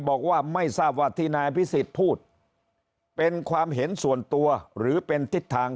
บอกว่าไม่ทราบว่าที่นายพิสิทธิ์พูดเป็นความเห็นส่วนตัวหรือเป็นทิศทาง